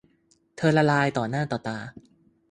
เธอละลายต่อหน้าต่อตา